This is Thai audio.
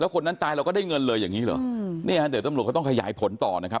แล้วคนนั้นตายเราก็ได้เงินเลยอย่างนี้เหรออืมเนี้ยอันเดิมต้องขยายผลต่อนะครับ